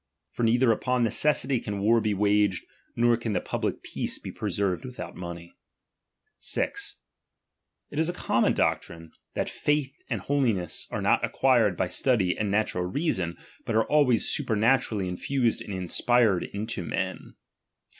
For neither upon necessity can war be waged, nor can the public peace be preserved without money. feithand G. It is a common doctrine, that faith and roi hj holiness are not acquired by study and natural •aKn^t'^ii reason, but are always supernaturalhj infused ri^dkL ''^"^ inspired into men.